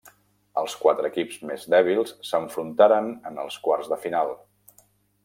Els quatre equips més dèbils s'enfrontaren en els quarts de final.